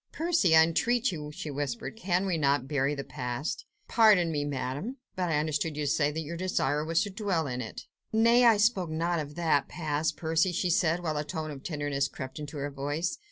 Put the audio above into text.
"Percy! I entreat you!" she whispered, "can we not bury the past?" "Pardon me, Madame, but I understood you to say that your desire was to dwell in it." "Nay! I spoke not of that past, Percy!" she said, while a tone of tenderness crept into her voice.